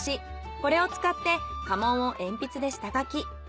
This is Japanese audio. これを使って家紋を鉛筆で下書き。